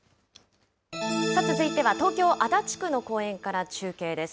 続いては東京・足立区の公園から中継です。